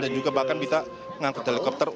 dan juga bahkan bisa mengangkut helikopter